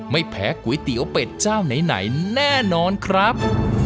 ไม่แพ้ก๋วยเตี๋ยวเป็ดเจ้าไหนแน่นอนครับ